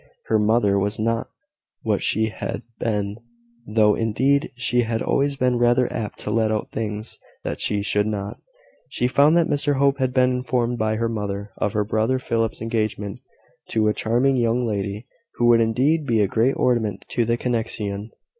Her mother was not what she had been though, indeed, she had always been rather apt to let out things that she should not. She found that Mr Hope had been informed by her mother of her brother Philip's engagement to a charming young lady, who would indeed be a great ornament to the connexion.